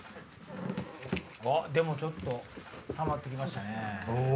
でもちょっとたまって来ましたね。